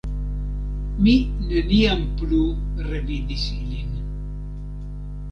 Mi neniam plu revidis ilin.